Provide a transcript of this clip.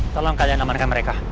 tolong kalian namankan mereka